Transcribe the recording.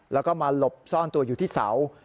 แล้วก็มาหลบซ่อนตัวอยู่ที่เสา